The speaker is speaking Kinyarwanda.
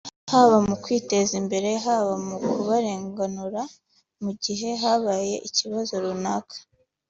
haba mu kwiteza imbere haba mu kubabarenganura mu gihe habaye ibibazo runaka